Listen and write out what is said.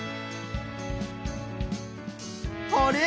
あれ？